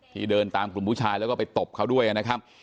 ที่เดินตามหุ่นผู้ชายแล้วไปตรกเขาด้วยนะครับ